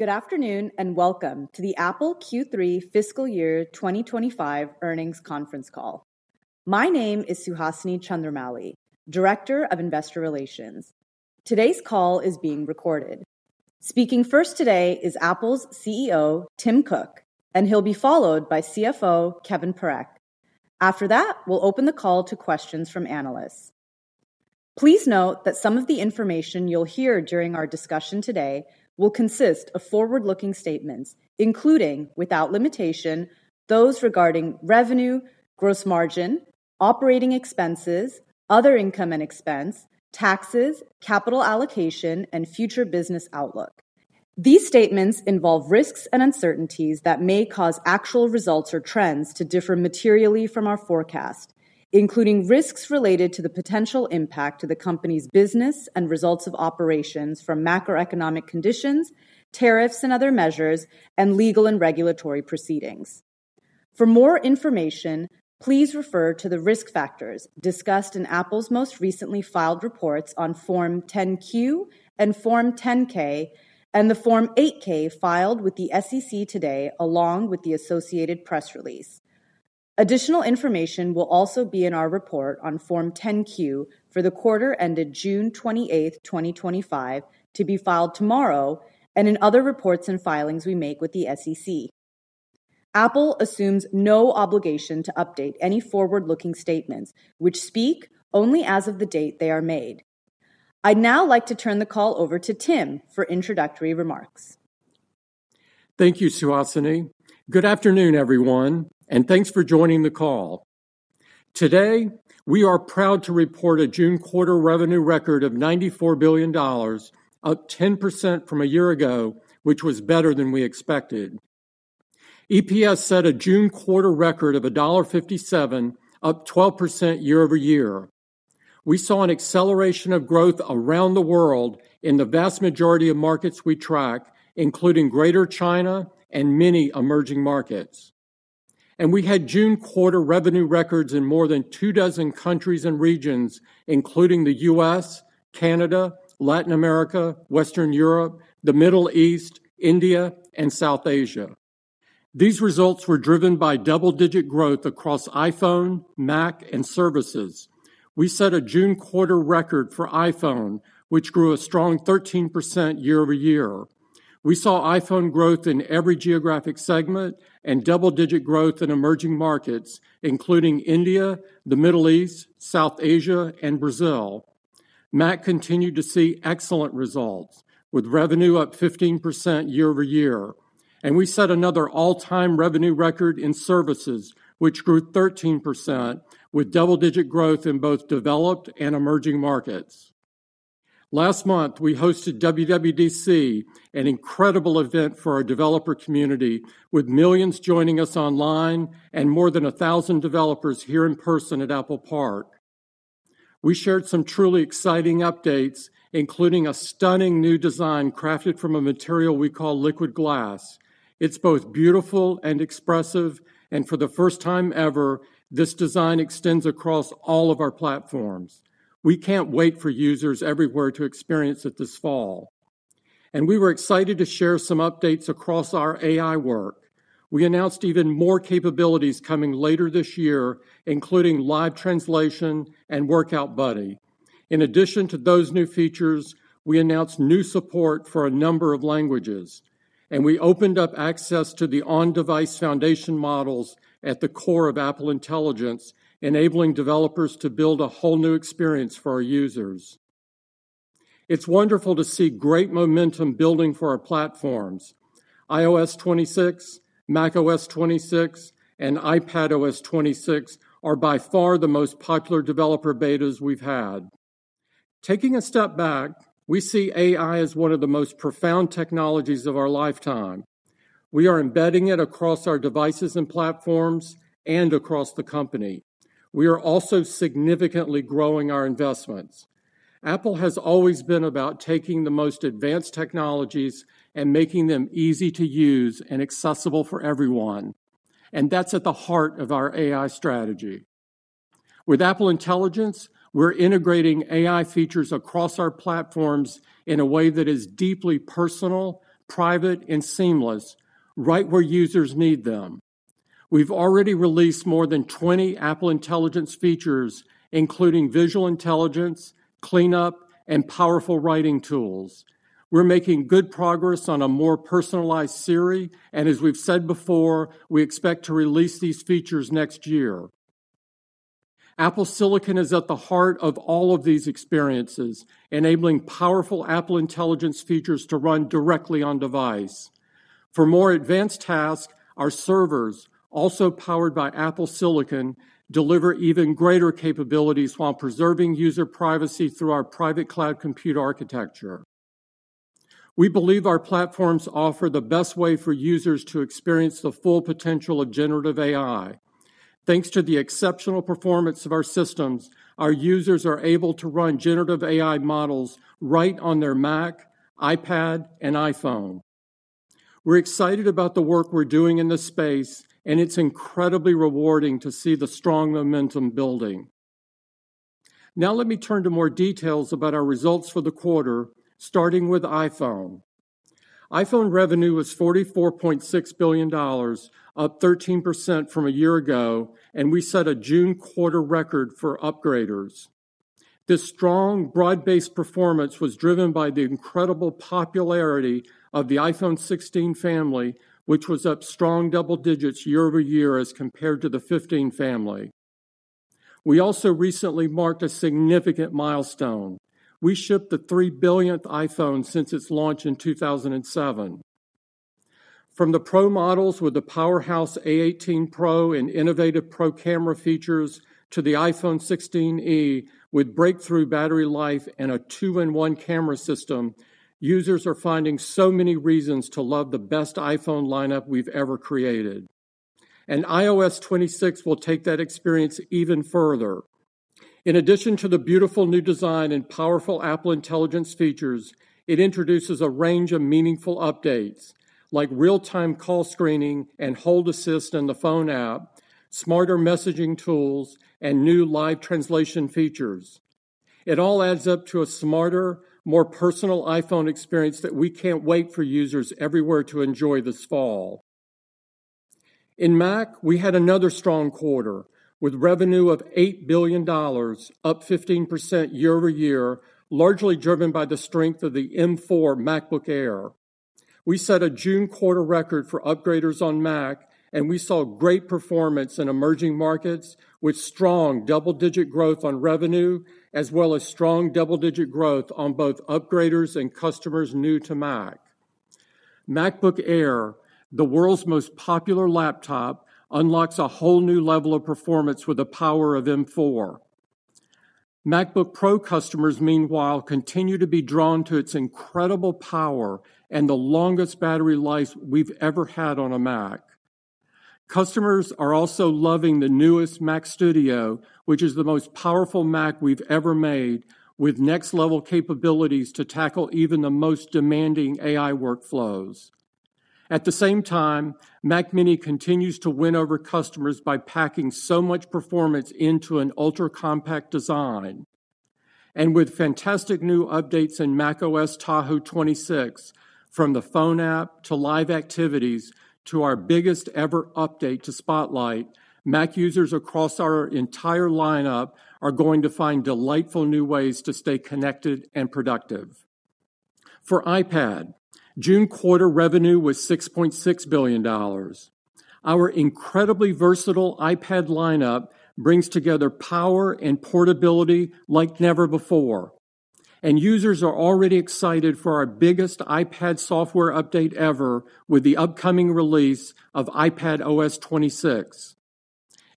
Good afternoon and welcome to the Apple Q3 Fiscal Year 2025 Earnings Conference Call. My name is Suhasini Chandramouli, Director of Investor Relations. Today's call is being recorded. Speaking first today is Apple's CEO, Tim Cook, and he'll be followed by CFO, Kevin Perek. After that, we'll open the call to questions from analysts. Please note that some of the information you'll hear during our discussion today will consist of forward-looking statements, including, without limitation, those regarding revenue, gross margin, operating expenses, other income and expense, taxes, capital allocation, and future business outlook. These statements involve risks and uncertainties that may cause actual results or trends to differ materially from our forecast, including risks related to the potential impact to the company's business and results of operations from macroeconomic conditions, tariffs and other measures, and legal and regulatory proceedings. For more information, please refer to the risk factors discussed in Apple's most recently filed reports on Form 10-Q and Form 10-K, and the Form 8-K filed with the SEC today, along with the associated press release. Additional information will also be in our report on Form 10-Q for the quarter ended June 28, 2025, to be filed tomorrow, and in other reports and filings we make with the SEC. Apple assumes no obligation to update any forward-looking statements, which speak only as of the date they are made. I'd now like to turn the call over to Tim for introductory remarks. Thank you, Suhasini. Good afternoon, everyone, and thanks for joining the call. Today, we are proud to report a June quarter revenue record of $94 billion, up 10% from a year ago, which was better than we expected. EPS set a June quarter record of $1.57, up 12% YoY. We saw an acceleration of growth around the world in the vast majority of markets we track, including Greater China and many emerging markets. We had June quarter revenue records in more than two dozen countries and regions, including the U.S., Canada, Latin America, Western Europe, the Middle East, India, and South Asia. These results were driven by double-digit growth across iPhone, Mac, and services. We set a June quarter record for iPhone, which grew a strong 13% YoY. We saw iPhone growth in every geographic segment and double-digit growth in emerging markets, including India, the Middle East, South Asia, and Brazil. Mac continued to see excellent results, with revenue up 15% YoY. We set another all-time revenue record in services, which grew 13%, with double-digit growth in both developed and emerging markets. Last month, we hosted WWDC, an incredible event for our developer community, with millions joining us online and more than 1,000 developers here in person at Apple Park. We shared some truly exciting updates, including a stunning new design crafted from a material we call liquid glass. It is both beautiful and expressive, and for the first time ever, this design extends across all of our platforms. We cannot wait for users everywhere to experience it this fall. We were excited to share some updates across our AI work. We announced even more capabilities coming later this year, including live translation and Workout Buddy. In addition to those new features, we announced new support for a number of languages, and we opened up access to the on-device foundation models at the core of Apple Intelligence, enabling developers to build a whole new experience for our users. It's wonderful to see great momentum building for our platforms. iOS 26, macOS 26, and iPadOS 26 are by far the most popular developer betas we've had. Taking a step back, we see AI as one of the most profound technologies of our lifetime. We are embedding it across our devices and platforms and across the company. We are also significantly growing our investments. Apple has always been about taking the most advanced technologies and making them easy to use and accessible for everyone. That is at the heart of our AI strategy. With Apple Intelligence, we're integrating AI features across our platforms in a way that is deeply personal, private, and seamless, right where users need them. We've already released more than 20 Apple Intelligence features, including visual intelligence, cleanup, and powerful writing tools. We're making good progress on a more personalized Siri, and as we've said before, we expect to release these features next year. Apple Silicon is at the heart of all of these experiences, enabling powerful Apple Intelligence features to run directly on-device. For more advanced tasks, our servers, also powered by Apple Silicon, deliver even greater capabilities while preserving user privacy through our private cloud compute architecture. We believe our platforms offer the best way for users to experience the full potential of generative AI. Thanks to the exceptional performance of our systems, our users are able to run generative AI models right on their Mac, iPad, and iPhone. We're excited about the work we're doing in this space, and it's incredibly rewarding to see the strong momentum building. Now let me turn to more details about our results for the quarter, starting with iPhone. iPhone revenue was $44.6 billion, up 13% from a year ago, and we set a June quarter record for upgraders. This strong, broad-based performance was driven by the incredible popularity of the iPhone 16 family, which was up strong double digits YoY as compared to the 15 family. We also recently marked a significant milestone. We shipped the 3 billionth iPhone since its launch in 2007. From the Pro models with the powerhouse A18 Pro and innovative Pro camera features to the iPhone 16e with breakthrough battery life and a two-in-one camera system, users are finding so many reasons to love the best iPhone lineup we've ever created. iOS 26 will take that experience even further. In addition to the beautiful new design and powerful Apple Intelligence features, it introduces a range of meaningful updates, like real-time call screening and hold assist in the phone app, smarter messaging tools, and new live translation features. It all adds up to a smarter, more personal iPhone experience that we can't wait for users everywhere to enjoy this fall. In Mac, we had another strong quarter, with revenue of $8 billion, up 15% YoY, largely driven by the strength of the M4 MacBook Air. We set a June quarter record for upgraders on Mac, and we saw great performance in emerging markets, with strong double-digit growth on revenue, as well as strong double-digit growth on both upgraders and customers new to Mac. MacBook Air, the world's most popular laptop, unlocks a whole new level of performance with the power of M4. MacBook Pro customers, meanwhile, continue to be drawn to its incredible power and the longest battery life we've ever had on a Mac. Customers are also loving the newest Mac Studio, which is the most powerful Mac we've ever made, with next-level capabilities to tackle even the most demanding AI workflows. At the same time, Mac Mini continues to win over customers by packing so much performance into an ultra-compact design. With fantastic new updates in macOS Tahoe 26, from the phone app to live activities to our biggest ever update to Spotlight, Mac users across our entire lineup are going to find delightful new ways to stay connected and productive. For iPad, June quarter revenue was $6.6 billion. Our incredibly versatile iPad lineup brings together power and portability like never before. Users are already excited for our biggest iPad software update ever with the upcoming release of iPadOS 26.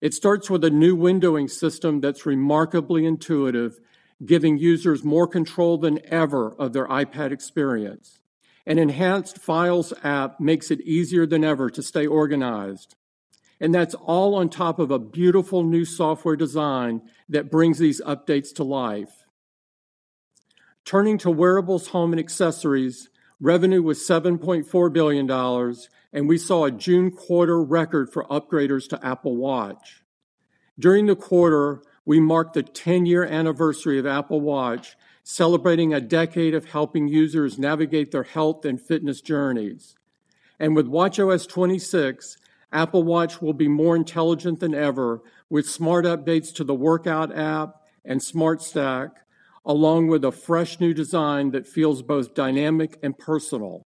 It starts with a new windowing system that is remarkably intuitive, giving users more control than ever of their iPad experience. An enhanced Files app makes it easier than ever to stay organized. That is all on top of a beautiful new software design that brings these updates to life. Turning to wearables, home, and accessories, revenue was $7.4 billion, and we saw a June quarter record for upgraders to Apple Watch. During the quarter, we marked the 10-year anniversary of Apple Watch, celebrating a decade of helping users navigate their health and fitness journeys. With watchOS 26, Apple Watch will be more intelligent than ever, with smart updates to the Workout app and Smart Stack, along with a fresh new design that feels both dynamic and personal.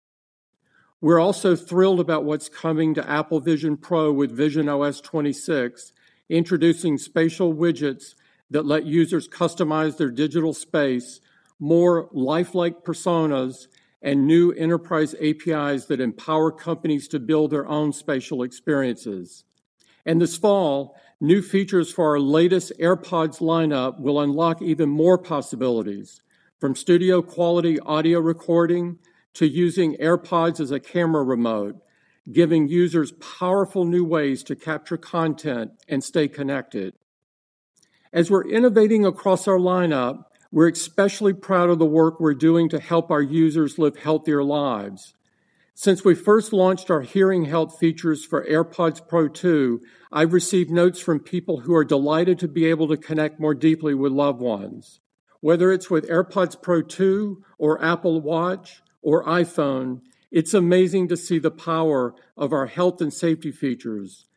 We're also thrilled about what's coming to Apple Vision Pro with visionOS 26, introducing spatial widgets that let users customize their digital space, more lifelike personas, and new enterprise APIs that empower companies to build their own spatial experiences. This fall, new features for our latest AirPods lineup will unlock even more possibilities, from studio-quality audio recording to using AirPods as a camera remote, giving users powerful new ways to capture content and stay connected. As we're innovating across our lineup, we're especially proud of the work we're doing to help our users live healthier lives. Since we first launched our hearing health features for AirPods Pro 2, I've received notes from people who are delighted to be able to connect more deeply with loved ones. Whether it's with AirPods Pro 2 or Apple Watch or iPhone, it's amazing to see the power of our health and safety features.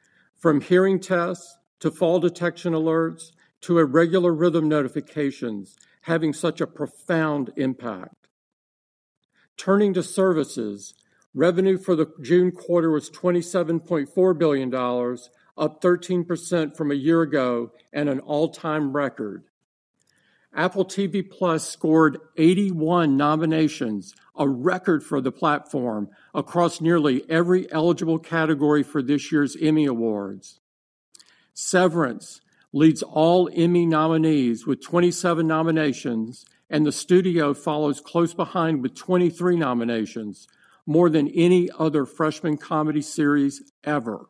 From hearing tests to fall detection alerts to irregular rhythm notifications, having such a profound impact. Turning to services, revenue for the June quarter was $27.4 billion, up 13% from a year ago and an all-time record. Apple TV+ scored 81 nominations, a record for the platform, across nearly every eligible category for this year's Emmy Awards. Severance leads all Emmy nominees with 27 nominations, and the studio follows close behind with 23 nominations, more than any other freshman comedy series ever.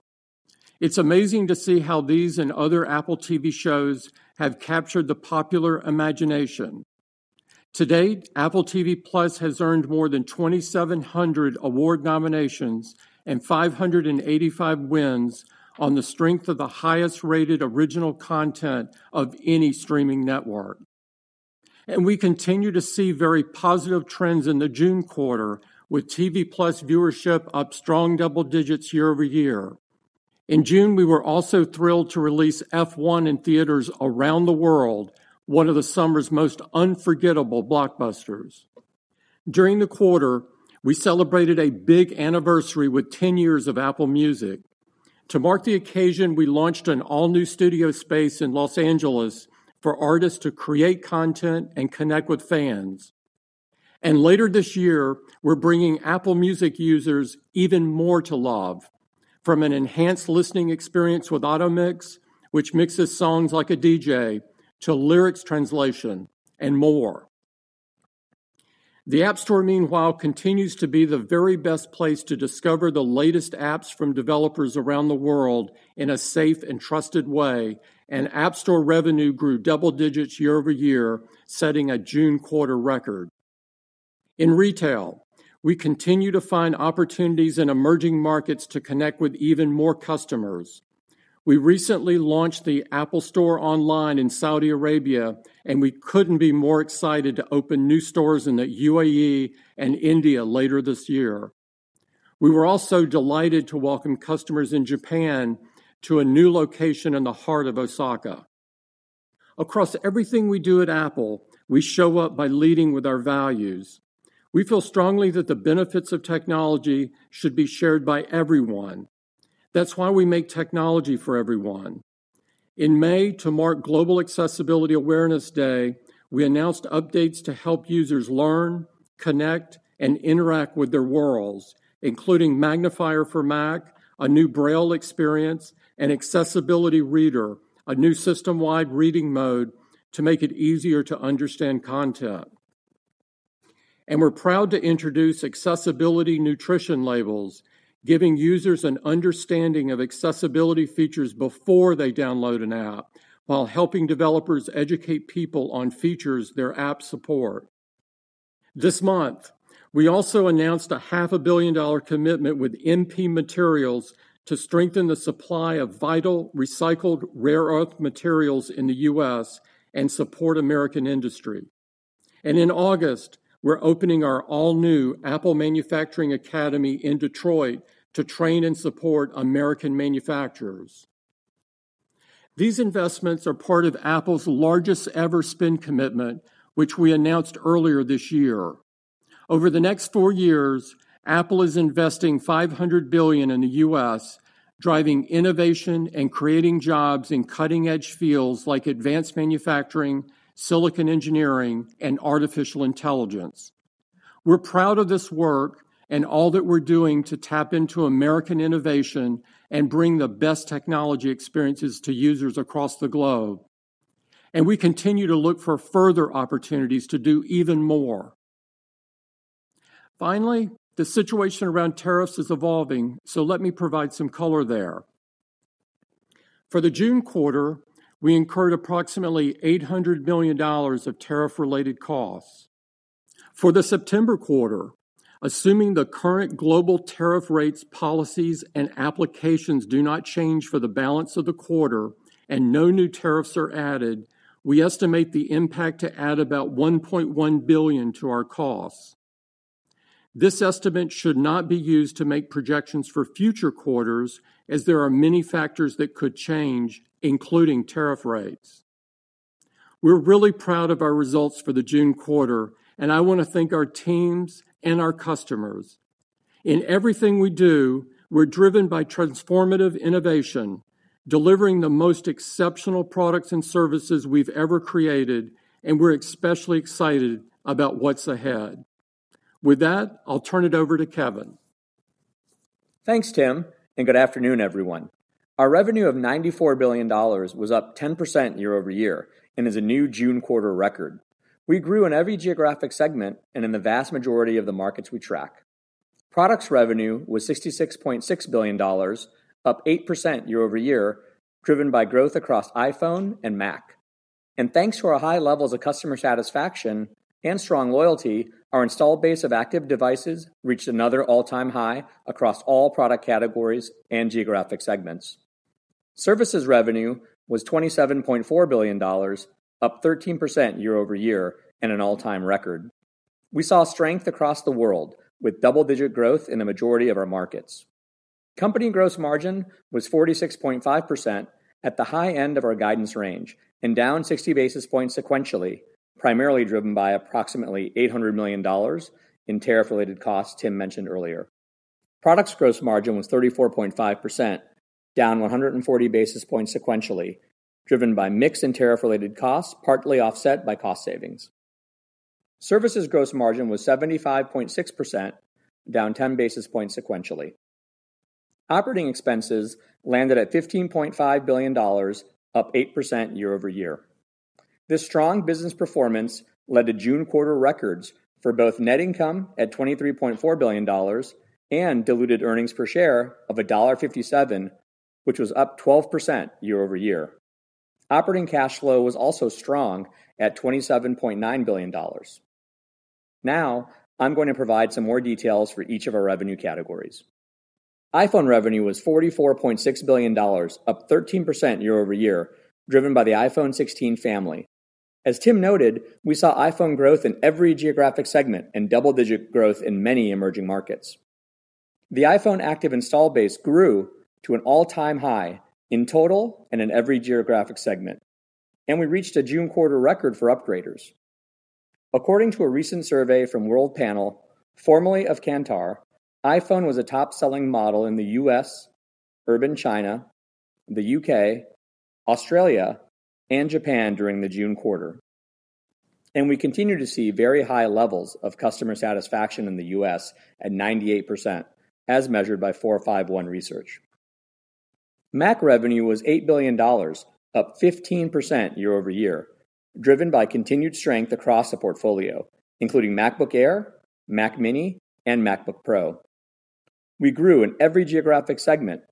It's amazing to see how these and other Apple TV shows have captured the popular imagination. To date, Apple TV+ has earned more than 2,700 award nominations and 585 wins on the strength of the highest-rated original content of any streaming network. We continue to see very positive trends in the June quarter, with TV+ viewership up strong double digits YoY. In June, we were also thrilled to release F1 in theaters around the world, one of the summer's most unforgettable blockbusters. During the quarter, we celebrated a big anniversary with 10 years of Apple Music. To mark the occasion, we launched an all-new studio space in Los Angeles for artists to create content and connect with fans. Later this year, we're bringing Apple Music users even more to love, from an enhanced listening experience with Auto Mix, which mixes songs like a DJ, to lyrics translation and more. The App Store, meanwhile, continues to be the very best place to discover the latest apps from developers around the world in a safe and trusted way, and App Store revenue grew double digits YoY, setting a June quarter record. In retail, we continue to find opportunities in emerging markets to connect with even more customers. We recently launched the Apple Store online in Saudi Arabia, and we couldn't be more excited to open new stores in the U.A.E. and India later this year. We were also delighted to welcome customers in Japan to a new location in the heart of Osaka. Across everything we do at Apple, we show up by leading with our values. We feel strongly that the benefits of technology should be shared by everyone. That's why we make technology for everyone. In May, to mark Global Accessibility Awareness Day, we announced updates to help users learn, connect, and interact with their worlds, including Magnifier for Mac, a new Braille experience, and Accessibility Reader, a new system-wide reading mode to make it easier to understand content. We are proud to introduce Accessibility Nutrition Labels, giving users an understanding of accessibility features before they download an app, while helping developers educate people on features their apps support. This month, we also announced a $500,000,000 commitment with MP Materials to strengthen the supply of vital recycled rare earth materials in the U.S. to support American industry. In August, we're opening our all-new Apple Manufacturing Academy in Detroit to train and support American manufacturers. These investments are part of Apple's largest-ever spend commitment, which we announced earlier this year. Over the next four years, Apple is investing $500 billion in the U.S., driving innovation and creating jobs in cutting-edge fields like advanced manufacturing, silicon engineering, and artificial intelligence. We're proud of this work and all that we're doing to tap into American innovation and bring the best technology experiences to users across the globe. We continue to look for further opportunities to do even more. Finally, the situation around tariffs is evolving, so let me provide some color there. For the June quarter, we incurred approximately $800 million of tariff-related costs. For the September quarter, assuming the current global tariff rates, policies, and applications do not change for the balance of the quarter and no new tariffs are added, we estimate the impact to add about $1.1 billion to our costs. This estimate should not be used to make projections for future quarters, as there are many factors that could change, including tariff rates. We're really proud of our results for the June quarter, and I want to thank our teams and our customers. In everything we do, we're driven by transformative innovation, delivering the most exceptional products and services we've ever created, and we're especially excited about what's ahead. With that, I'll turn it over to Kevin. Thanks, Tim, and good afternoon, everyone. Our revenue of $94 billion was up 10% YoY and is a new June quarter record. We grew in every geographic segment and in the vast majority of the markets we track. Products revenue was $66.6 billion, up 8% YoY, driven by growth across iPhone and Mac. Thanks to our high levels of customer satisfaction and strong loyalty, our installed base of active devices reached another all-time high across all product categories and geographic segments. Services revenue was $27.4 billion, up 13% YoY, and an all-time record. We saw strength across the world with double-digit growth in a majority of our markets. Company gross margin was 46.5% at the high end of our guidance range and down 60 basis points sequentially, primarily driven by approximately $800 million in tariff-related costs Tim mentioned earlier. Products gross margin was 34.5%, down 140 basis points sequentially, driven by mixed and tariff-related costs partly offset by cost savings. Services gross margin was 75.6%, down 10 basis points sequentially. Operating expenses landed at $15.5 billion, up 8% YoY. This strong business performance led to June quarter records for both net income at $23.4 billion and diluted earnings per share of $1.57, which was up 12% YoY. Operating cash flow was also strong at $27.9 billion. Now, I'm going to provide some more details for each of our revenue categories. iPhone revenue was $44.6 billion, up 13% YoY, driven by the iPhone 16 family. As Tim noted, we saw iPhone growth in every geographic segment and double-digit growth in many emerging markets. The iPhone active install base grew to an all-time high in total and in every geographic segment, and we reached a June quarter record for upgraders. According to a recent survey from Worldpanel, formerly of Kantar, iPhone was a top-selling model in the U.S., urban China, the U.K., Australia, and Japan during the June quarter. We continue to see very high levels of customer satisfaction in the U.S. at 98%, as measured by 451 Research. Mac revenue was $8 billion, up 15% YoY, driven by continued strength across the portfolio, including MacBook Air, Mac Mini, and MacBook Pro. We grew in every geographic segment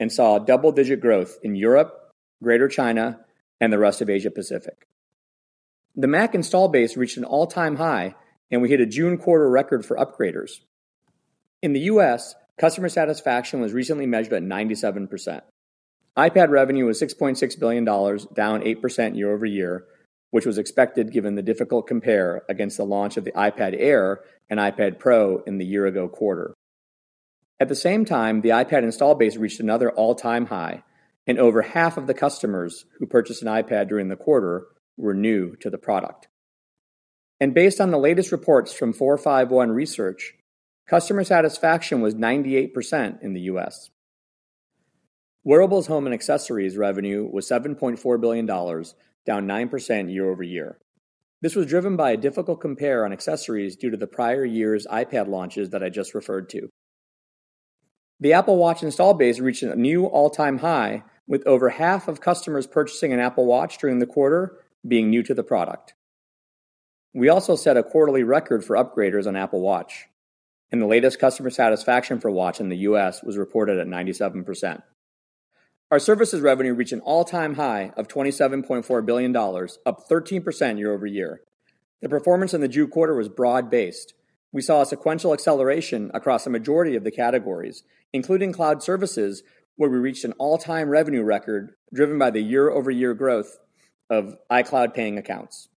and saw double-digit growth in Europe, Greater China, and the rest of Asia-Pacific. The Mac install base reached an all-time high, and we hit a June quarter record for upgraders. In the U.S., customer satisfaction was recently measured at 97%. iPad revenue was $6.6 billion, down 8% YoY, which was expected given the difficult compare against the launch of the iPad Air and iPad Pro in the year-ago quarter. At the same time, the iPad install base reached another all-time high, and over half of the customers who purchased an iPad during the quarter were new to the product. Based on the latest reports from 451 Research, customer satisfaction was 98% in the U.S. Wearables, home, and accessories revenue was $7.4 billion, down 9% YoY. This was driven by a difficult compare on accessories due to the prior year's iPad launches that I just referred to. The Apple Watch install base reached a new all-time high, with over half of customers purchasing an Apple Watch during the quarter being new to the product. We also set a quarterly record for upgraders on Apple Watch, and the latest customer satisfaction for watch in the U.S. was reported at 97%. Our services revenue reached an all-time high of $27.4 billion, up 13% YoY. The performance in the June quarter was broad-based. We saw a sequential acceleration across a majority of the categories, including cloud services, where we reached an all-time revenue record driven by the year-over-year growth of iCloud paying accounts.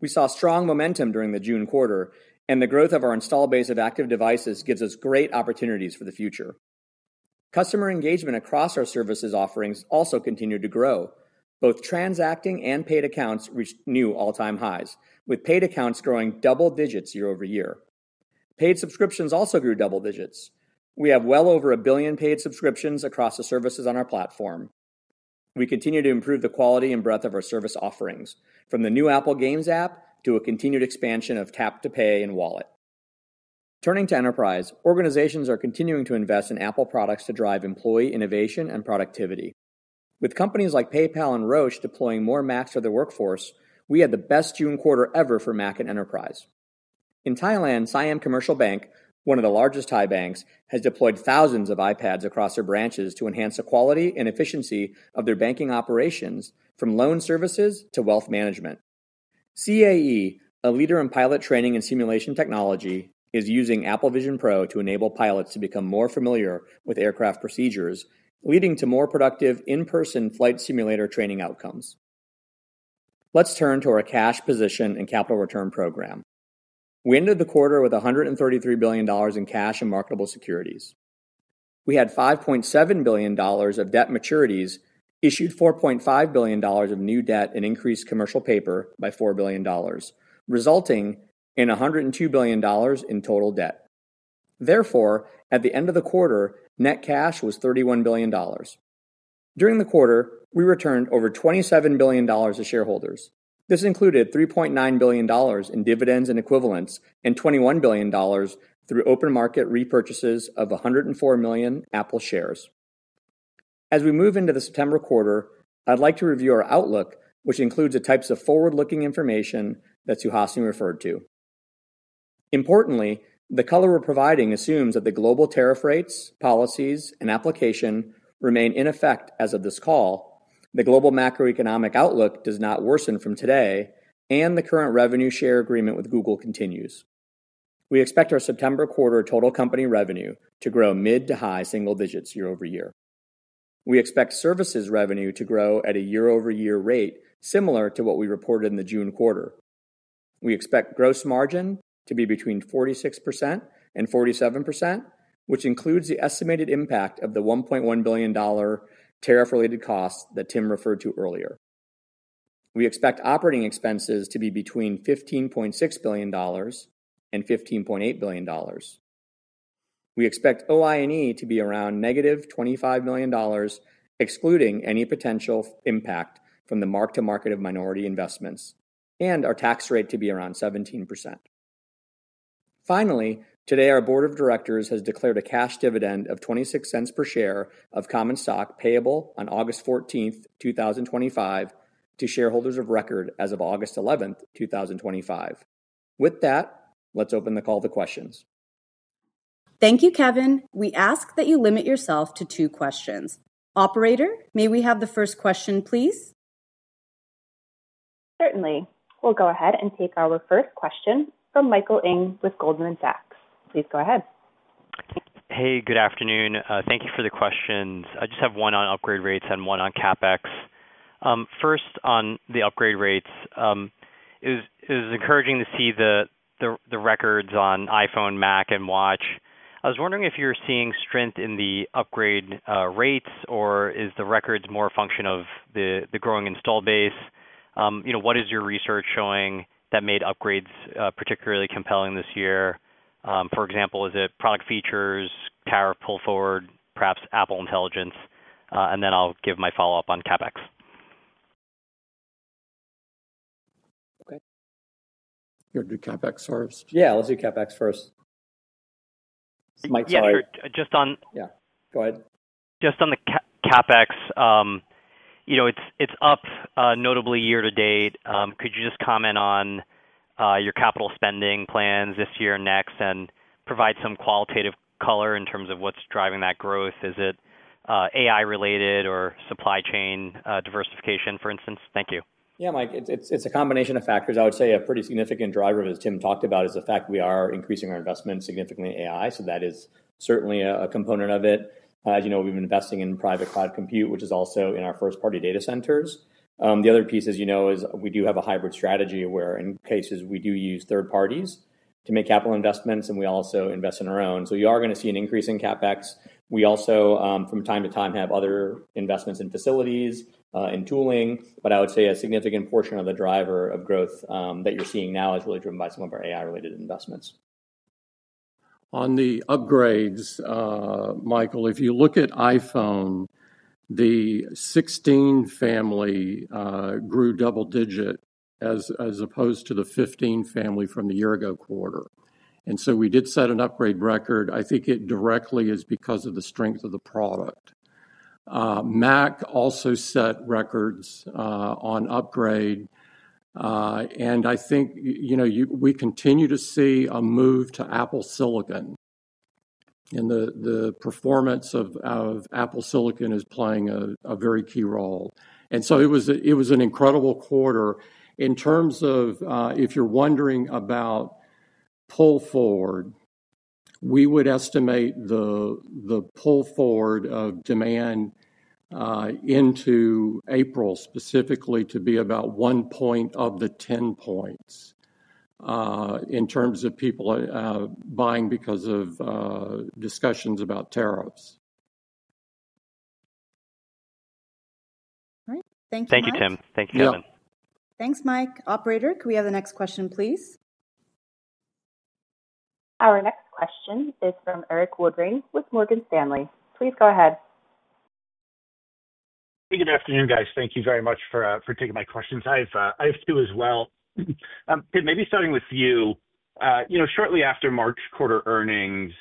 We saw strong momentum during the June quarter, and the growth of our install base of active devices gives us great opportunities for the future. Customer engagement across our services offerings also continued to grow. Both transacting and paid accounts reached new all-time highs, with paid accounts growing double digits YoY. Paid subscriptions also grew double digits. We have well over a billion paid subscriptions across the services on our platform. We continue to improve the quality and breadth of our service offerings, from the new Apple Games app to a continued expansion of Tap to Pay and Wallet. Turning to enterprise, organizations are continuing to invest in Apple products to drive employee innovation and productivity. With companies like PayPal and Roche deploying more Macs for their workforce, we had the best June quarter ever for Mac and enterprise. In Thailand, Siam Commercial Bank, one of the largest Thai banks, has deployed thousands of iPads across their branches to enhance the quality and efficiency of their banking operations, from loan services to wealth management. CAE, a leader in pilot training and simulation technology, is using Apple Vision Pro to enable pilots to become more familiar with aircraft procedures, leading to more productive in-person flight simulator training outcomes. Let's turn to our cash position and capital return program. We ended the quarter with $133 billion in cash and marketable securities. We had $5.7 billion of debt maturities, issued $4.5 billion of new debt, and increased commercial paper by $4 billion, resulting in $102 billion in total debt. Therefore, at the end of the quarter, net cash was $31 billion. During the quarter, we returned over $27 billion to shareholders. This included $3.9 billion in dividends and equivalents and $21 billion through open market repurchases of 104 million Apple shares. As we move into the September quarter, I'd like to review our outlook, which includes the types of forward-looking information that you've often referred to. Importantly, the color we're providing assumes that the global tariff rates, policies, and application remain in effect as of this call, the global macroeconomic outlook does not worsen from today, and the current revenue share agreement with Google continues. We expect our September quarter total company revenue to grow mid to high single digits YoY. We expect services revenue to grow at a year-over-year rate similar to what we reported in the June quarter. We expect gross margin to be between 46%-47%, which includes the estimated impact of the $1.1 billion tariff-related costs that Tim referred to earlier. We expect operating expenses to be between $15.6 billion-$15.8 billion. We expect OI&E to be around negative $25 million, excluding any potential impact from the mark-to-market of minority investments, and our tax rate to be around 17%. Finally, today, our board of directors has declared a cash dividend of $0.26 per share of common stock payable on August 14, 2025, to shareholders of record as of August 11, 2025. With that, let's open the call to questions. Thank you, Kevin. We ask that you limit yourself to two questions. Operator, may we have the first question, please? Certainly. We'll go ahead and take our first question from Michael Ng with Goldman Sachs. Please go ahead. Hey, good afternoon. Thank you for the questions. I just have one on upgrade rates and one on CapEx. First, on the upgrade rates, it was encouraging to see the records on iPhone, Mac, and watch. I was wondering if you're seeing strength in the upgrade rates, or is the records more a function of the growing install base? What is your research showing that made upgrades particularly compelling this year? For example, is it product features, tariff pull forward, perhaps Apple Intelligence? Okay. You want to do CapEx first? Yeah, let's do CapEx first. ust on the CapEx, it's up notably year to date. Could you just comment on your capital spending plans this year and next and provide some qualitative color in terms of what's driving that growth? Is it AI-related or supply chain diversification, for instance? Thank you. Yeah, Mike, it's a combination of factors. I would say a pretty significant driver, as Tim talked about, is the fact we are increasing our investment significantly in AI, so that is certainly a component of it. As you know, we've been investing in Private Cloud Compute, which is also in our first-party data centers. The other piece, as you know, is we do have a hybrid strategy where, in cases, we do use third parties to make capital investments, and we also invest in our own. You are going to see an increase in CapEx. We also, from time to time, have other investments in facilities, in tooling, but I would say a significant portion of the driver of growth that you're seeing now is really driven by some of our AI-related investments. On the upgrades, Michael, if you look at iPhone, the 16 family grew double digit as opposed to the 15 family from the year-ago quarter. We did set an upgrade record. I think it directly is because of the strength of the product. Mac also set records on upgrade. I think we continue to see a move to Apple Silicon, and the performance of Apple Silicon is playing a very key role. It was an incredible quarter. In terms of if you're wondering about pull forward, we would estimate the pull forward of demand into April specifically to be about one point of the 10 points in terms of people buying because of discussions about tariffs. All right. Thank you. Thank you, Tim. Thank you, Kevin. Thanks, Mike. Operator, can we have the next question, please? Our next question is from Erik Woodring with Morgan Stanley. Please go ahead. Hey, good afternoon, guys. Thank you very much for taking my questions. I have two as well. Tim, maybe starting with you. Shortly after March quarter earnings,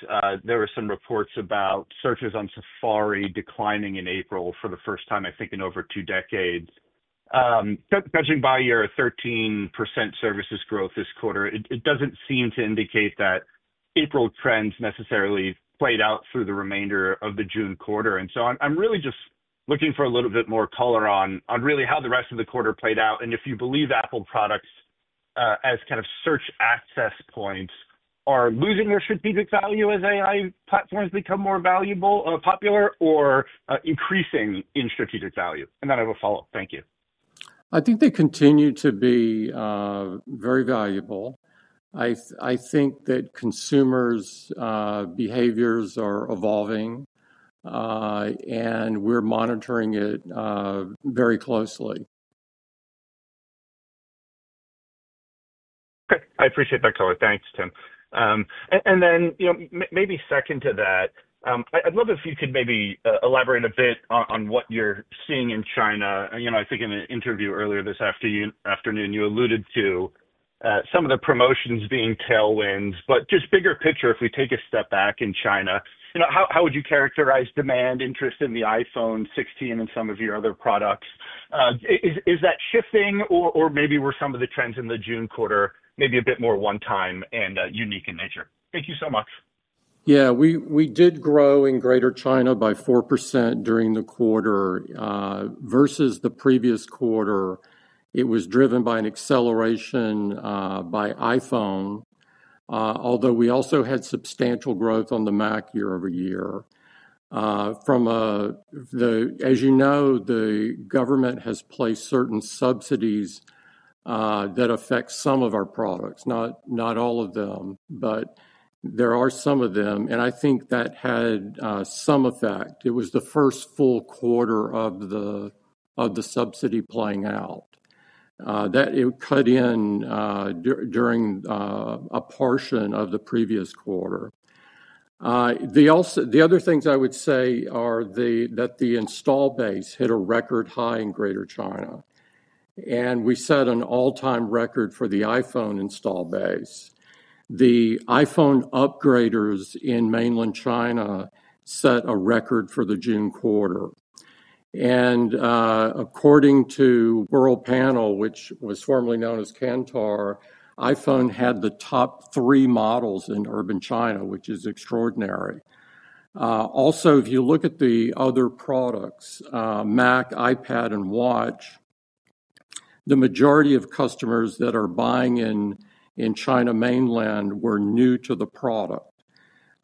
there were some reports about searches on Safari declining in April for the first time, I think, in over two decades. Judging by your 13% services growth this quarter, it does not seem to indicate that April trends necessarily played out through the remainder of the June quarter. I am really just looking for a little bit more color on really how the rest of the quarter played out. If you believe Apple products as kind of search access points are losing their strategic value as AI platforms become more valuable, popular, or increasing in strategic value? I have a follow-up. Thank you. I think they continue to be very valuable. I think that consumers' behaviors are evolving, and we are monitoring it very closely. Okay. I appreciate that color. Thanks, Tim. Then maybe second to that, I'd love if you could maybe elaborate a bit on what you're seeing in China. I think in an interview earlier this afternoon, you alluded to some of the promotions being tailwinds, but just bigger picture, if we take a step back in China, how would you characterize demand, interest in the iPhone 16 and some of your other products? Is that shifting, or maybe were some of the trends in the June quarter maybe a bit more one-time and unique in nature? Thank you so much. Yeah, we did grow in Greater China by 4% during the quarter. Versus the previous quarter, it was driven by an acceleration by iPhone, although we also had substantial growth on the Mac year-over-year. As you know, the government has placed certain subsidies that affect some of our products, not all of them, but there are some of them, and I think that had some effect. It was the first full quarter of the subsidy playing out that it cut in during a portion of the previous quarter. The other things I would say are that the install base hit a record high in Greater China, and we set an all-time record for the iPhone install base. The iPhone upgraders in mainland China set a record for the June quarter. According to Worldpanel, which was formerly known as Kantar, iPhone had the top three models in Urban China, which is extraordinary. Also, if you look at the other products, Mac, iPad, and Watch, the majority of customers that are buying in China mainland were new to the product.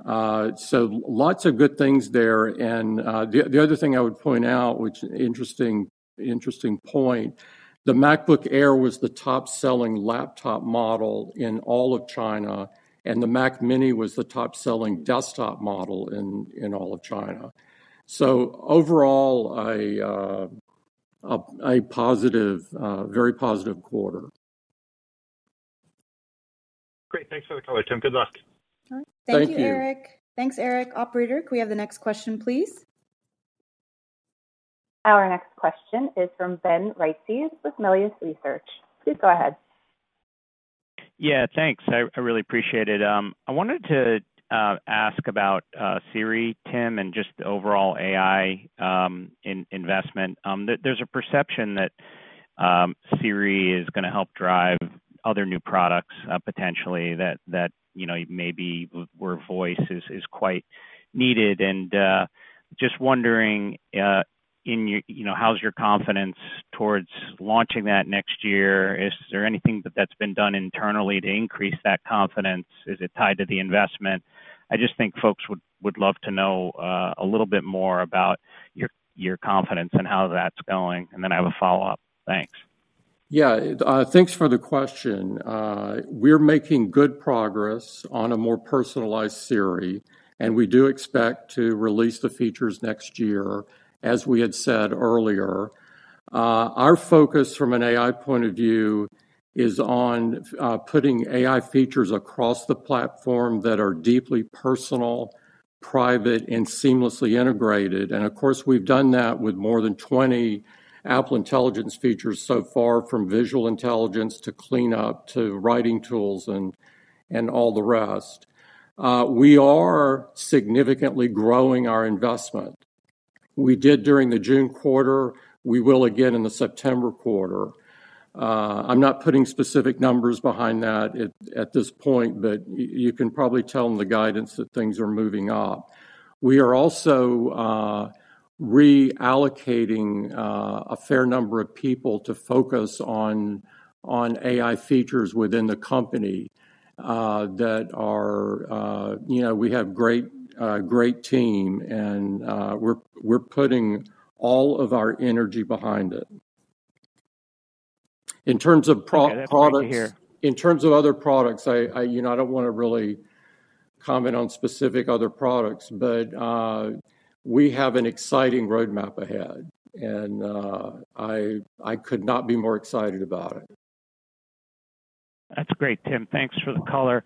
Lots of good things there. The other thing I would point out, which is an interesting point, the MacBook Air was the top-selling laptop model in all of China, and the Mac Mini was the top-selling desktop model in all of China. Overall, a very positive quarter. Great. Thanks for the color, Tim. Good luck. All right. Thank you, Eric. Thanks, Eric. Operator, can we have the next question, please? Our next question is from Ben Reitzes with Melius Research. Please go ahead. Yeah, thanks. I really appreciate it. I wanted to ask about Siri, Tim, and just the overall AI investment. There's a perception that Siri is going to help drive other new products potentially that maybe where voice is quite needed. Just wondering, how's your confidence towards launching that next year? Is there anything that's been done internally to increase that confidence? Is it tied to the investment? I just think folks would love to know a little bit more about your confidence and how that's going. I have a follow-up. Thanks. Yeah, thanks for the question. We're making good progress on a more personalized Siri, and we do expect to release the features next year, as we had said earlier. Our focus from an AI point of view is on putting AI features across the platform that are deeply personal, private, and seamlessly integrated. Of course, we've done that with more than 20 Apple Intelligence features so far, from visual intelligence to cleanup to writing tools and all the rest. We are significantly growing our investment. We did during the June quarter. We will again in the September quarter. I'm not putting specific numbers behind that at this point, but you can probably tell in the guidance that things are moving up. We are also reallocating a fair number of people to focus on AI features within the company. We have a great team, and we're putting all of our energy behind it. In terms of products, in terms of other products, I don't want to really comment on specific other products, but we have an exciting roadmap ahead, and I could not be more excited about it. That's great, Tim. Thanks for the color.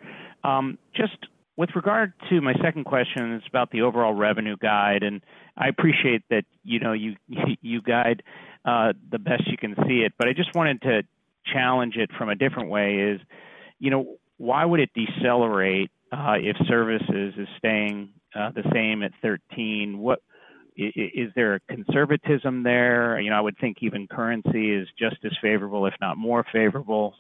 Just with regard to my second question, it's about the overall revenue guide, and I appreciate that you guide the best you can see it, but I just wanted to challenge it from a different way. Why would it decelerate if services is staying the same at 13? Is there a conservatism there? I would think even currency is just as favorable, if not more favorable.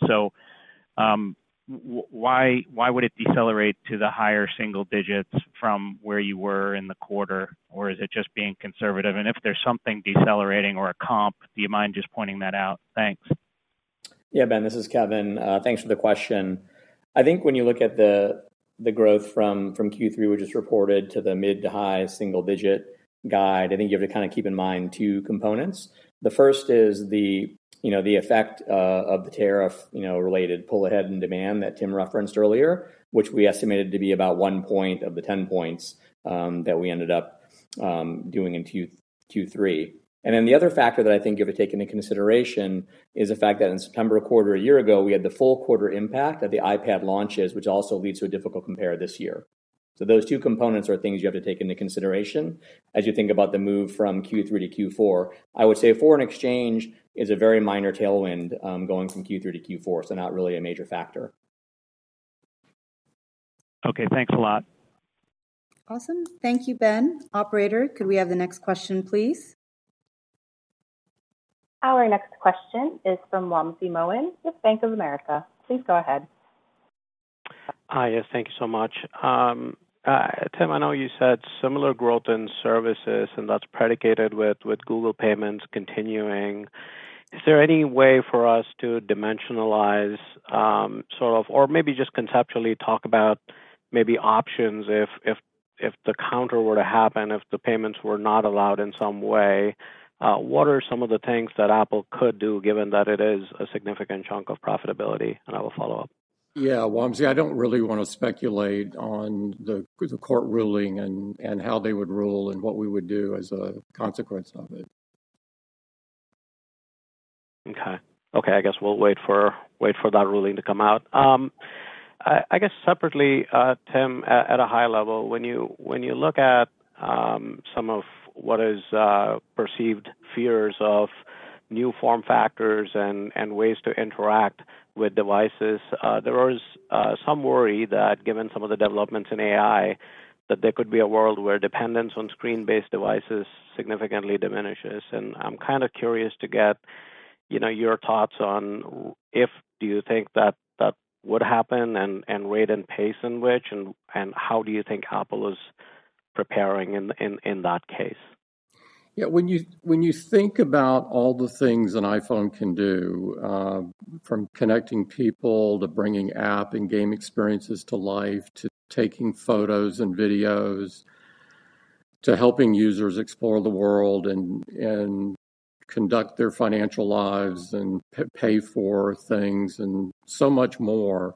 Why would it decelerate to the higher single digits from where you were in the quarter, or is it just being conservative? If there's something decelerating or a comp, do you mind just pointing that out? Thanks. Yeah, Ben, this is Kevin. Thanks for the question. I think when you look at the growth from Q3, which is reported to the mid to high single-digit guide, you have to kind of keep in mind two components. The first is the effect of the tariff-related pull ahead in demand that Tim referenced earlier, which we estimated to be about one point of the 10 points that we ended up doing in Q3. The other factor that I think you have to take into consideration is the fact that in September quarter a year ago, we had the full quarter impact of the iPad launches, which also leads to a difficult compare this year. Those two components are things you have to take into consideration as you think about the move from Q3 to Q4. I would say foreign exchange is a very minor tailwind going from Q3 to Q4, so not really a major factor. Okay, thanks a lot. Awesome. Thank you, Ben. Operator, could we have the next question, please? Our next question is from Wamsi Mohan with Bank of America. Please go ahead. Hi, yes, thank you so much. Tim, I know you said similar growth in services, and that's predicated with Google payments continuing. Is there any way for us to dimensionalize sort of, or maybe just conceptually talk about maybe options if the counter were to happen, if the payments were not allowed in some way? What are some of the things that Apple could do, given that it is a significant chunk of profitability? And I have a follow-up. Yeah, Wamsi, I don't really want to speculate on the court ruling and how they would rule and what we would do as a consequence of it. Okay. Okay, I guess we'll wait for that ruling to come out. I guess separately, Tim, at a high level, when you look at some of what is perceived fears of new form factors and ways to interact with devices, there was some worry that given some of the developments in AI, that there could be a world where dependence on screen-based devices significantly diminishes. I'm kind of curious to get your thoughts on if. Do you think that would happen and rate and pace in which, and how do you think Apple is preparing in that case? Yeah, when you think about all the things an iPhone can do, from connecting people to bringing app and game experiences to life, to taking photos and videos, to helping users explore the world and conduct their financial lives and pay for things and so much more,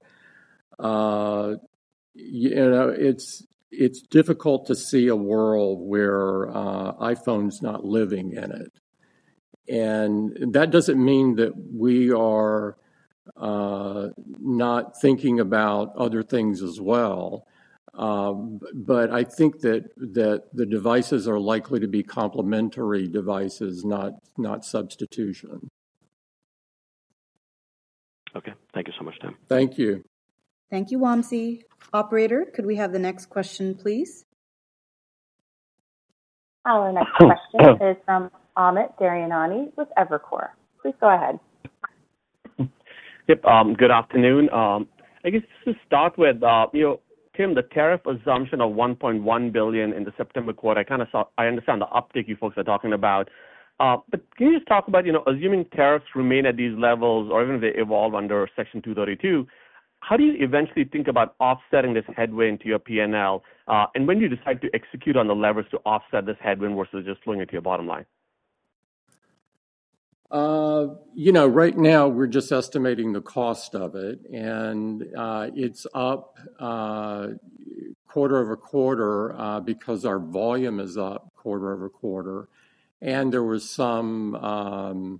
it's difficult to see a world where iPhone's not living in it. That doesn't mean that we are not thinking about other things as well, but I think that the devices are likely to be complementary devices, not substitution. Okay, thank you so much, Tim. Thank you. Thank you, Wamsi. Operator, could we have the next question, please? Our next question is from Amit Daryanani with Evercore. Please go ahead. Yep. Good afternoon. I guess just to start with, Tim, the tariff assumption of $1.1 billion in the September quarter, I understand the uptick you folks are talking about. Can you just talk about assuming tariffs remain at these levels or even if they evolve under Section 232, how do you eventually think about offsetting this headwind to your P&L? When do you decide to execute on the levers to offset this headwind versus just flowing into your bottom line? Right now, we're just estimating the cost of it, and it's up quarter over quarter because our volume is up quarter over quarter. There was some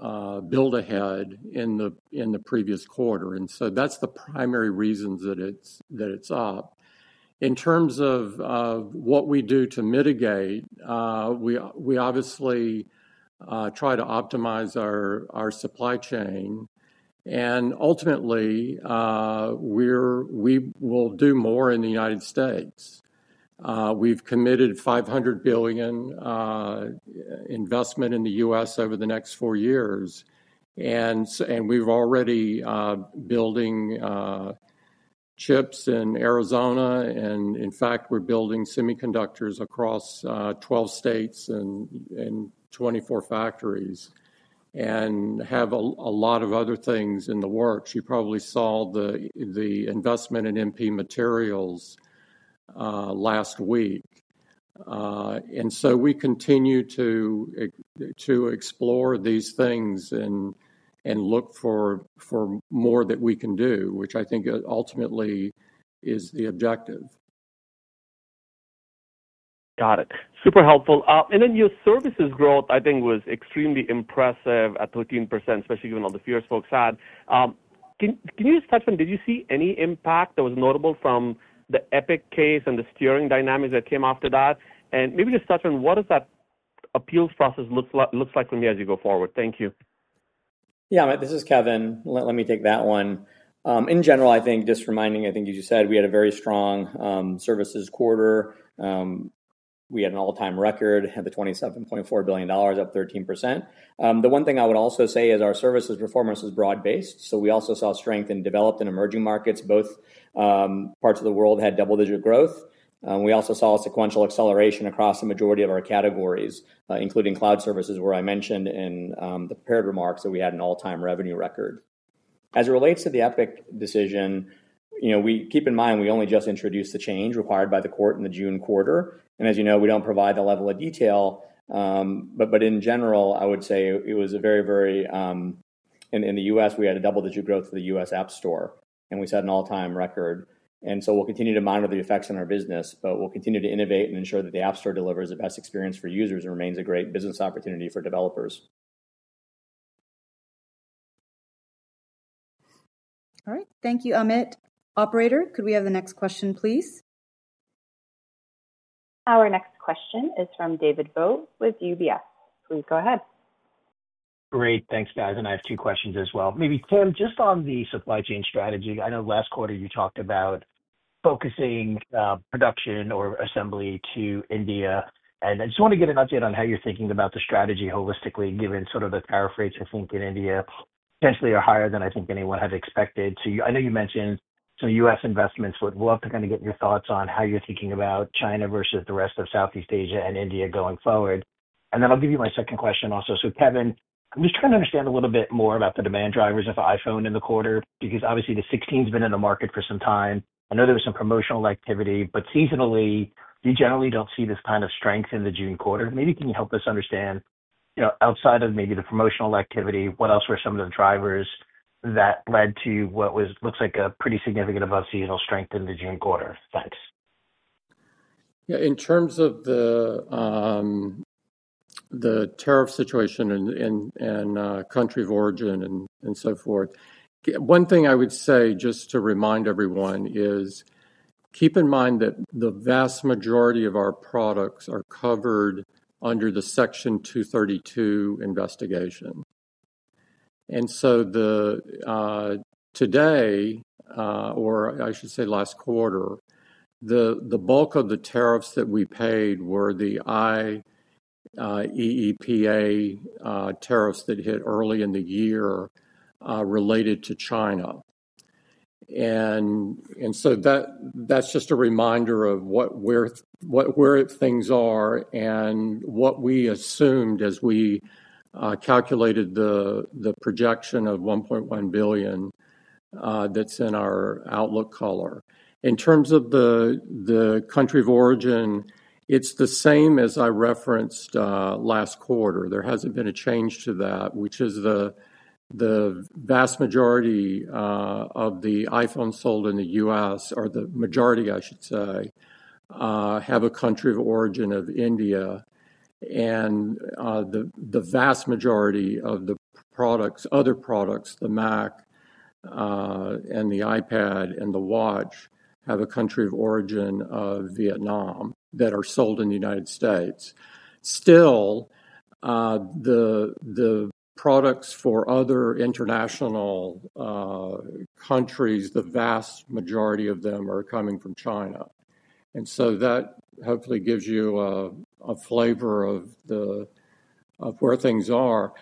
build ahead in the previous quarter. That's the primary reason that it's up. In terms of what we do to mitigate, we obviously try to optimize our supply chain. Ultimately, we will do more in the studies. We've committed $500 billion investment in the US over the next four years. We've already been building chips in Arizona, and in fact, we're building semiconductors across 12 states and 24 factories and have a lot of other things in the works. You probably saw the investment in MP Materials last week. We continue to explore these things and look for more that we can do, which I think ultimately is the objective. Got it. Super helpful. Your services growth, I think, was extremely impressive at 13%, especially given all the fears folks had. Can you just touch on, did you see any impact that was notable from the Epic case and the steering dynamics that came after that? Maybe just touch on what does that appeals process look like for me as you go forward? Thank you. Yeah, this is Kevin. Let me take that one. In general, I think just reminding, I think you just said we had a very strong services quarter. We had an all-time record at the $27.4 billion, up 13%. The one thing I would also say is our services performance is broad-based. We also saw strength in developed and emerging markets. Both parts of the world had double-digit growth. We also saw a sequential acceleration across the majority of our categories, including cloud services, where I mentioned in the paired remarks that we had an all-time revenue record. As it relates to the Epic decision, keep in mind we only just introduced the change required by the court in the June quarter. As you know, we do not provide the level of detail. In general, I would say it was a very, very—in the US, we had double-digit growth for the US App Store, and we set an all-time record. We will continue to monitor the effects on our business, but we will continue to innovate and ensure that the App Store delivers the best experience for users and remains a great business opportunity for developers. All right. Thank you, Amit. Operator, could we have the next question, please? Our next question is from David Vogt with UBS. Please go ahead. Great. Thanks, guys. I have two questions as well. Maybe, Tim, just on the supply chain strategy. I know last quarter you talked about focusing production or assembly to India. I just want to get an update on how you're thinking about the strategy holistically, given sort of the tariff rates I think in India potentially are higher than I think anyone had expected. I know you mentioned some US investments, but we'll have to kind of get your thoughts on how you're thinking about China versus the rest of Southeast Asia and India going forward. I'll give you my second question also. Kevin, I'm just trying to understand a little bit more about the demand drivers of iPhone in the quarter because obviously the 16 has been in the market for some time. I know there was some promotional activity, but seasonally, you generally don't see this kind of strength in the June quarter. Maybe can you help us understand outside of maybe the promotional activity, what else were some of the drivers that led to what looks like a pretty significant above-seasonal strength in the June quarter? Thanks. Yeah, in terms of the tariff situation and country of origin and so forth, one thing I would say just to remind everyone is keep in mind that the vast majority of our products are covered under the Section 232 investigation. Today, or I should say last quarter, the bulk of the tariffs that we paid were the IEEPA tariffs that hit early in the year related to China. That's just a reminder of where things are and what we assumed as we calculated the projection of $1.1 billion that's in our outlook color. In terms of the country of origin, it's the same as I referenced last quarter. There has not been a change to that, which is the vast majority of the iPhones sold in the U.S., or the majority, I should say, have a country of origin of India. The vast majority of the products, other products, the Mac and the iPad and the watch, have a country of origin of Vietnam that are sold in the United States. Still, the products for other international countries, the vast majority of them are coming from China. That hopefully gives you a flavor of where things are.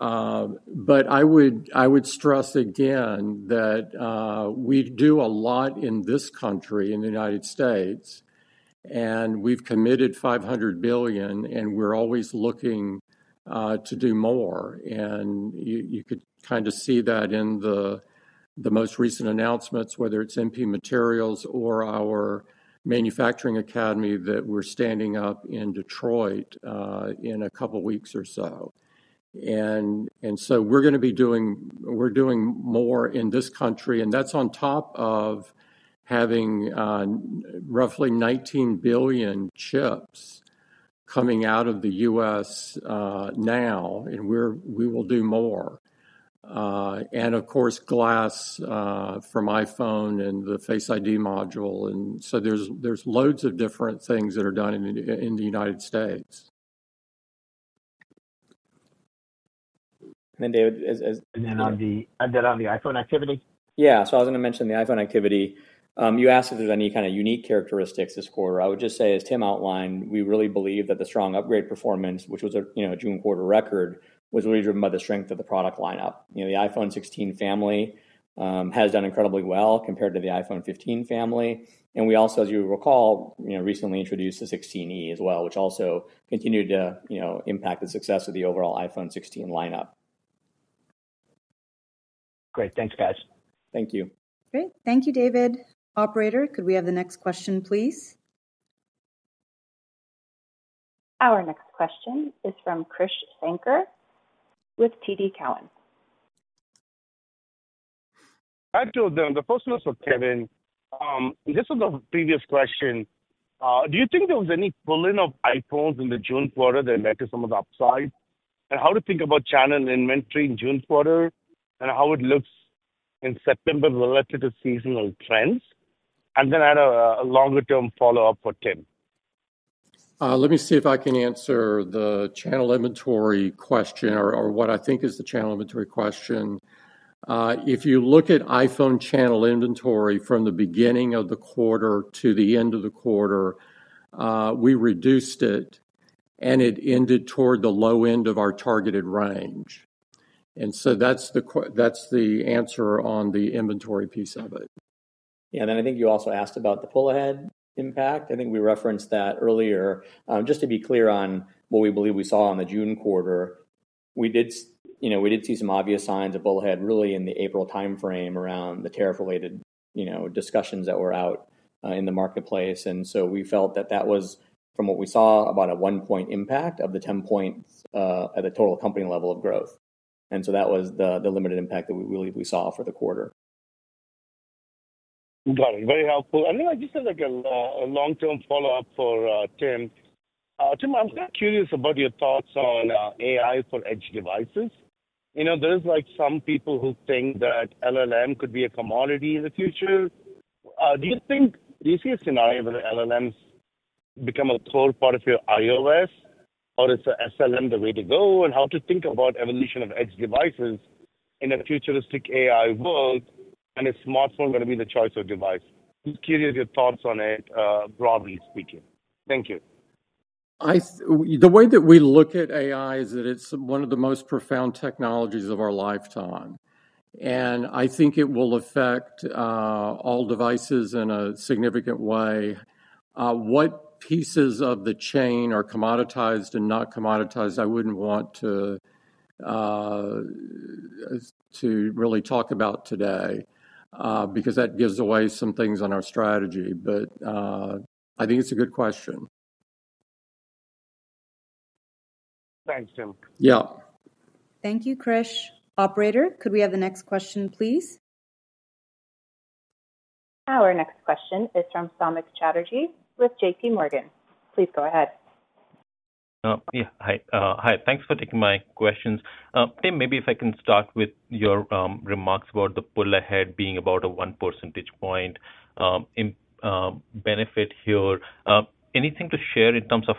I would stress again that we do a lot in this country, in the United States, and we have committed $500 billion, and we are always looking to do more. You could kind of see that in the most recent announcements, whether it's MP Materials or our Manufacturing Academy that we're standing up in Detroit in a couple of weeks or so. We're going to be doing more in this country, and that's on top of having roughly $19 billion chips coming out of the US now, and we will do more. Of course, glass for iPhone and the Face ID module. There are loads of different things that are done in the United States. David, on the iPhone activity? Yeah, I was going to mention the iPhone activity. You asked if there's any kind of unique characteristics this quarter. I would just say, as Tim outlined, we really believe that the strong upgrade performance, which was a June quarter record, was really driven by the strength of the product lineup. The iPhone 16 family has done incredibly well compared to the iPhone 15 family. We also, as you recall, recently introduced the 16e as well, which also continued to impact the success of the overall iPhone 16 lineup. Great. Thanks, guys. Thank you. Great. Thank you, David. Operator, could we have the next question, please? Our next question is from Krish Sankar with TD Cowen. Hi to them. The first one is for Kevin. This was a previous question. Do you think there was any pulling of iPhones in the June quarter that led to some of the upside? How do you think about channel inventory in June quarter and how it looks in September relative to seasonal trends? I had a longer-term follow-up for Tim. Let me see if I can answer the channel inventory question or what I think is the channel inventory question. If you look at iPhone channel inventory from the beginning of the quarter to the end of the quarter, we reduced it, and it ended toward the low end of our targeted range. That is the answer on the inventory piece of it. Yeah, I think you also asked about the pull ahead impact. I think we referenced that earlier. Just to be clear on what we believe we saw in the June quarter, we did see some obvious signs of pull ahead really in the April timeframe around the tariff-related discussions that were out in the marketplace. We felt that that was, from what we saw, about a one-point impact of the 10 points at the total company level of growth. That was the limited impact that we believe we saw for the quarter. Got it. Very helpful. I think I just have a long-term follow-up for Tim. Tim, I'm kind of curious about your thoughts on AI for edge devices. There are some people who think that LLM could be a commodity in the future. Do you see a scenario where LLMs become a core part of your iOS, or is SLM the way to go? How to think about the evolution of edge devices in a futuristic AI world, and is smartphone going to be the choice of device? I'm curious your thoughts on it, broadly speaking. Thank you. The way that we look at AI is that it's one of the most profound technologies of our lifetime. I think it will affect all devices in a significant way. What pieces of the chain are commoditized and not commoditized, I wouldn't want to really talk about today because that gives away some things on our strategy. I think it's a good question. Thanks, Tim. Yeah. Thank you, Krish. Operator, could we have the next question, please? Our next question is from Samik Chatterjee with JPMorgan. Please go ahead. Hi. Thanks for taking my questions. Tim, maybe if I can start with your remarks about the pull ahead being about a 1 percentage point benefit here. Anything to share in terms of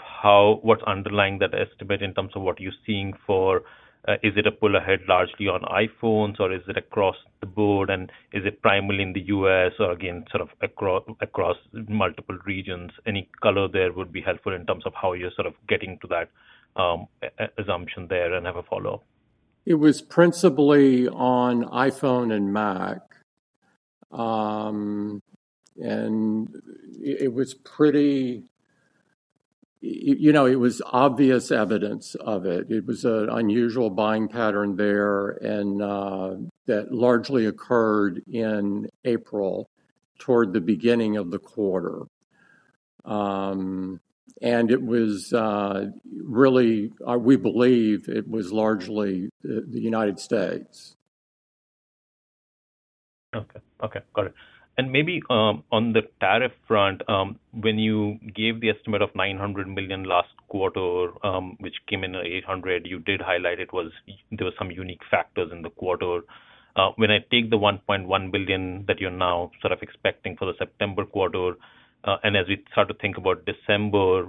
what's underlying that estimate in terms of what you're seeing for is it a pull ahead largely on iPhones, or is it across the board, and is it primarily in the U.S., or again, sort of across multiple regions? Any color there would be helpful in terms of how you're sort of getting to that assumption there and have a follow-up. It was principally on iPhone and Mac. It was obvious evidence of it. It was an unusual buying pattern there that largely occurred in April toward the beginning of the quarter. It was really, we believe, largely the United States. Okay. Okay. Got it. Maybe on the tariff front, when you gave the estimate of $900 million last quarter, which came in at $800 million, you did highlight there were some unique factors in the quarter. When I take the $1.1 billion that you're now sort of expecting for the September quarter, and as we start to think about December,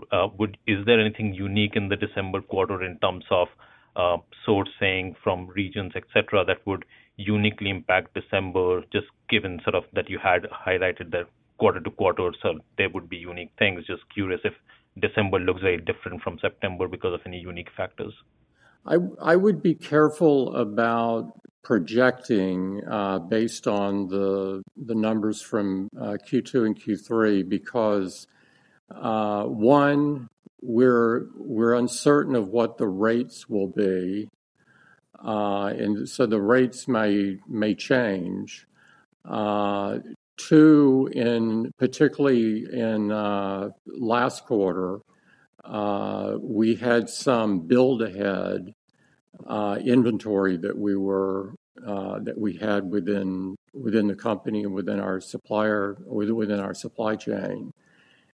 is there anything unique in the December quarter in terms of sourcing from regions, etc., that would uniquely impact December, just given that you had highlighted that quarter to quarter, so there would be unique things? Just curious if December looks very different from September because of any unique factors. I would be careful about projecting based on the numbers from Q2 and Q3 because, one, we're uncertain of what the rates will be. The rates may change. Two, particularly in last quarter, we had some build-ahead inventory that we had within the company and within our supply chain.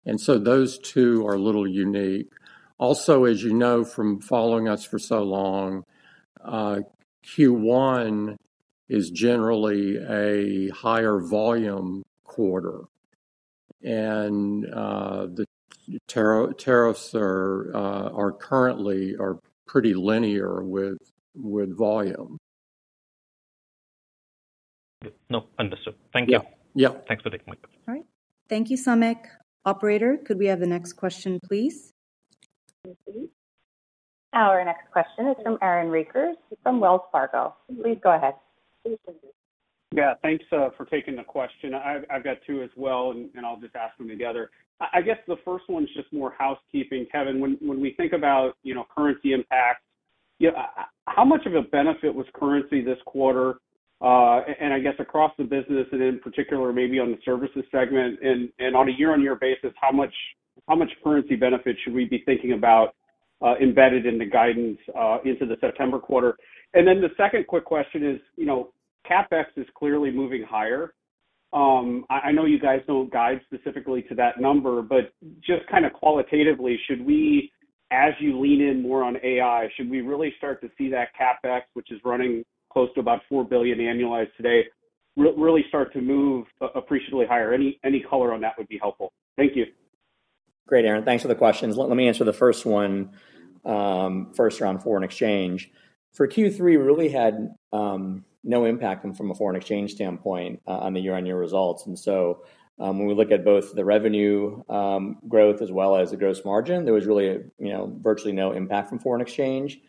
Those two are a little unique. Also, as you know from following us for so long, Q1 is generally a higher volume quarter. The tariffs are currently pretty linear with volume. Okay. No. Understood. Thank you. Thanks for taking my question. All right. Thank you, Samik. Operator, could we have the next question, please? Our next question is from Aaron Rakers from Wells Fargo. Please go ahead. Yeah. Thanks for taking the question. I've got two as well, and I'll just ask them together. I guess the first one is just more housekeeping. Kevin, when we think about currency impact, how much of a benefit was currency this quarter? I guess across the business and in particular, maybe on the services segment, and on a year-on-year basis, how much currency benefit should we be thinking about embedded in the guidance into the September quarter? The second quick question is, CapEx is clearly moving higher. I know you guys do not guide specifically to that number, but just kind of qualitatively, as you lean in more on AI, should we really start to see that CapEx, which is running close to about $4 billion annualized today, really start to move appreciably higher? Any color on that would be helpful. Thank you. Great, Aaron. Thanks for the questions. Let me answer the first one, first round foreign exchange. For Q3, we really had no impact from a foreign exchange standpoint on the year-on-year results. When we look at both the revenue growth as well as the gross margin, there was really virtually no impact from foreign exchange.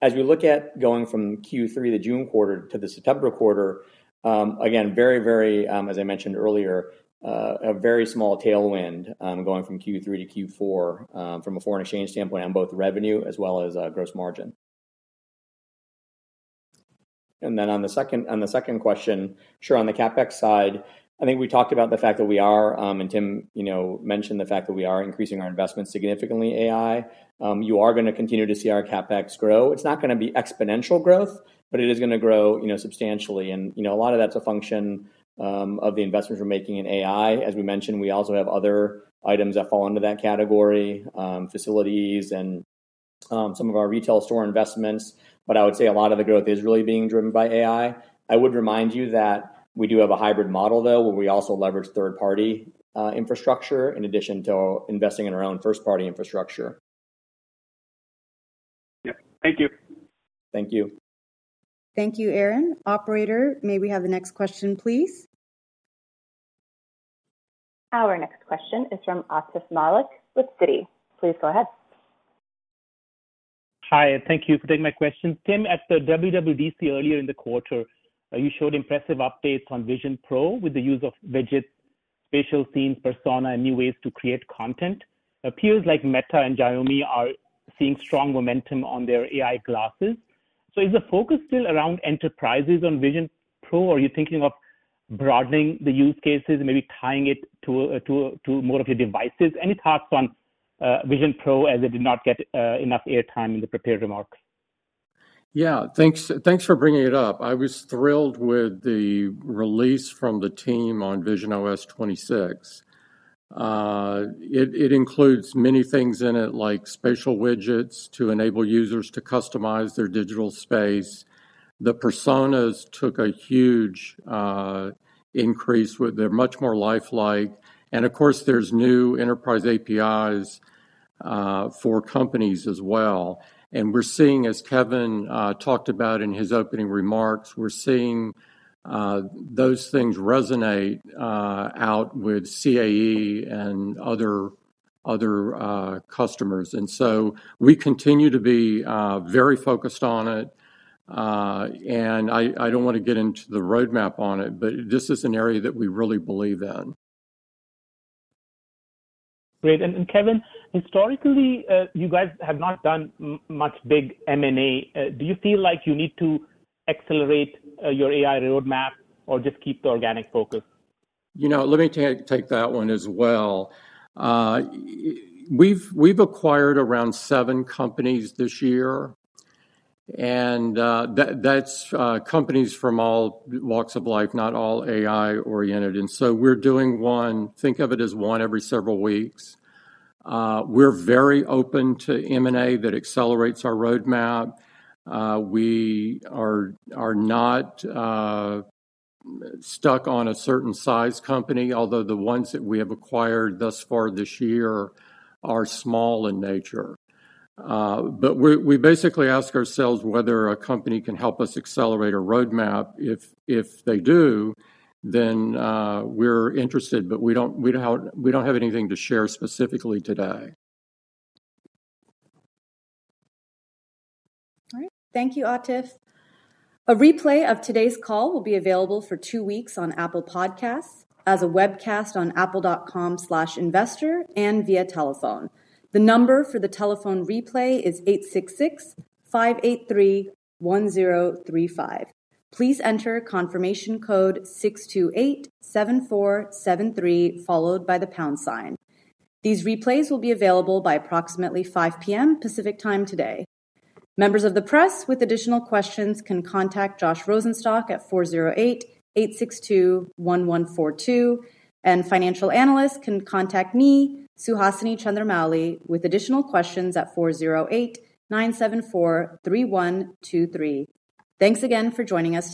As we look at going from Q3, the June quarter, to the September quarter, again, very, very, as I mentioned earlier, a very small tailwind going from Q3 to Q4 from a foreign exchange standpoint on both revenue as well as gross margin. On the second question, sure, on the CapEx side, I think we talked about the fact that we are, and Tim mentioned the fact that we are increasing our investment significantly in AI. You are going to continue to see our CapEx grow. It's not going to be exponential growth, but it is going to grow substantially. A lot of that's a function of the investments we're making in AI. As we mentioned, we also have other items that fall under that category, facilities and some of our retail store investments. I would say a lot of the growth is really being driven by AI. I would remind you that we do have a hybrid model, though, where we also leverage third-party infrastructure in addition to investing in our own first-party infrastructure. Yeah. Thank you. Thank you. Thank you, Aaron. Operator, may we have the next question, please? Our next question is from Asif Malik with Citi. Please go ahead. Hi. Thank you for taking my question. Tim, at the WWDC earlier in the quarter, you showed impressive updates on Vision Pro with the use of widgets, facial scenes, persona, and new ways to create content. It appears like Meta and Xiaomi are seeing strong momentum on their AI glasses. Is the focus still around enterprises on Vision Pro, or are you thinking of broadening the use cases, maybe tying it to more of your devices? Any thoughts on Vision Pro as it did not get enough airtime in the prepared remarks? Yeah. Thanks for bringing it up. I was thrilled with the release from the team on visionOS 26. It includes many things in it, like spatial widgets to enable users to customize their digital space. The personas took a huge increase. They're much more lifelike. Of course, there's new enterprise APIs for companies as well. We're seeing, as Kevin talked about in his opening remarks, those things resonate out with CAE and other customers. We continue to be very focused on it. I do not want to get into the roadmap on it, but this is an area that we really believe in. Great. Kevin, historically, you guys have not done much big M&A. Do you feel like you need to accelerate your AI roadmap or just keep the organic focus? Let me take that one as well. We have acquired around seven companies this year. That is companies from all walks of life, not all AI-oriented. We are doing one; think of it as one every several weeks. We are very open to M&A that accelerates our roadmap. We are not stuck on a certain size company, although the ones that we have acquired thus far this year are small in nature. We basically ask ourselves whether a company can help us accelerate a roadmap. If they do, then we are interested, but we do not have anything to share specifically today. All right. Thank you, Atif. A replay of today's call will be available for two weeks on Apple Podcasts as a webcast on apple.com/investor and via telephone. The number for the telephone replay is 866-583-1035. Please enter confirmation code 628-7473, followed by the pound sign. These replays will be available by approximately 5:00 P.M. Pacific Time today. Members of the press with additional questions can contact Josh Rosenstock at 408-862-1142. Financial analysts can contact me, Suhasini Chandramouli, with additional questions at 408-974-3123. Thanks again for joining us.